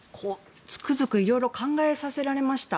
つくづく色々考えさせられました。